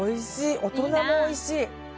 大人もおいしい。